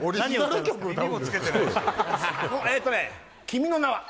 「君の名は。」